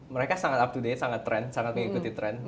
mereka sangat up to day sangat trend sangat mengikuti tren